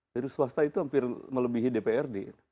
jadi swasta itu hampir melebihi dprd